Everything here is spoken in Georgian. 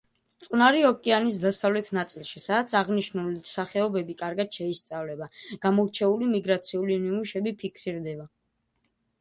წყნარი ოკეანის დასავლეთ ნაწილში, სადაც აღნიშნული სახეობები კარგად შეისწავლება, გამორჩეული მიგრაციული ნიმუშები ფიქსირდება.